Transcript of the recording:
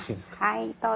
はいどうぞ。